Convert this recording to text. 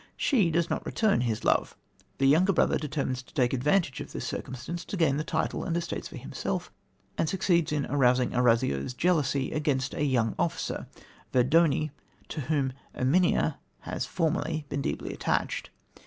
She does not return his love. The younger brother determines to take advantage of this circumstance to gain the title and estates for himself, and succeeds in arousing Orazio's jealousy against a young officer, Verdoni, to whom Erminia had formerly been deeply attached.